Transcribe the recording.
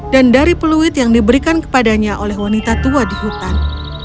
dan dari peluit yang diberikan kepadanya oleh wanita tua di hutan